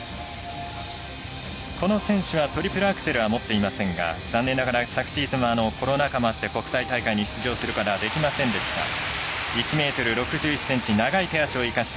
この選手はトリプルアクセルは持っていませんが残念ながら昨シーズンはコロナ禍もあって国際大会に出場することができませんでした。